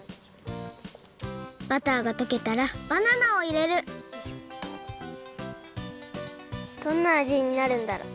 バターがとけたらバナナをいれるどんなあじになるんだろう。